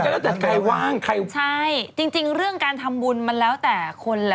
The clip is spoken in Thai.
มันก็แล้วแต่กลายว่างใช่จริงเรื่องการทำบุญมันแล้วแต่คนล่ะ